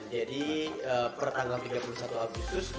jadi pertanggal tiga puluh satu agustus dua ribu dua puluh satu